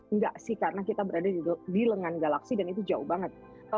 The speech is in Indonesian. enggak sih karena kita berada di lengan galaksi dan itu jauh banget